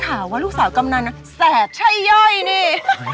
กล่าวว่าลูกสาวกำหนานะแสดใช่เยอะอีนี่